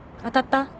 当たった？